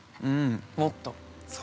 もっと。